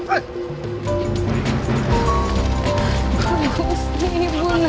bagus nih ibu nak